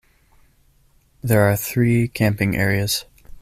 There are three camping areas.